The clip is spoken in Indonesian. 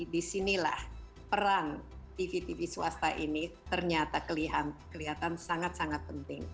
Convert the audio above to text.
disinilah peran tv tv swasta ini ternyata kelihatan sangat sangat penting